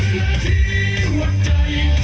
กลับไปรับไป